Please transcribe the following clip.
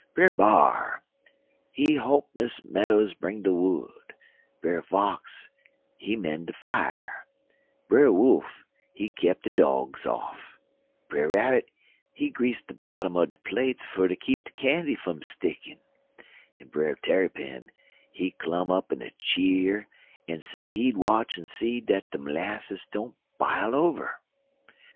Brer B'ar, he holp*1 Miss Meadows bring de wood, Brer Fox, he men' de fier, Brer Wolf, he kep' de dogs off, Brer Rabbit, he grease de bottom er de plates fer ter keep de candy fum stickin', en Brer Tarrypin, he klum up in a cheer, en say he'd watch en see dat de 'lasses didn't bile over.